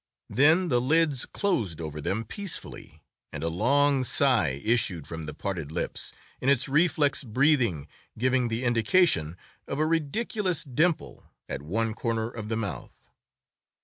Then the lids closed over them peacefully, and a long sigh issued from the parted lips, in its reflex breathing giving the indication of a ridiculous dimple at one corner of the mouth.